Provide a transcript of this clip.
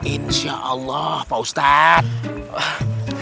insya allah pak ustadz